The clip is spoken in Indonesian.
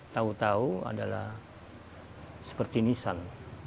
tau tau adalah seperti nisan